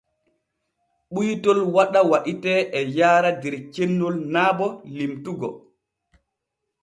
Ɓuytol waɗa waɗitee e yaara der cennol naa bo limtugo.